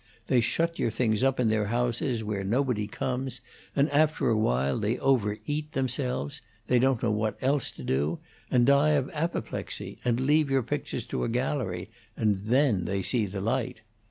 They shut your things up in their houses where nobody comes, and after a while they overeat themselves they don't know what else to do and die of apoplexy, and leave your pictures to a gallery, and then they see the light.